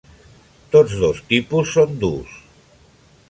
Tots dos tipus són durs.